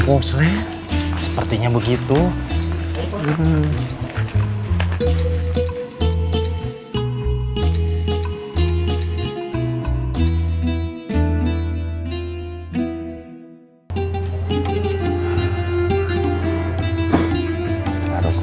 fragen keluar kekamar juga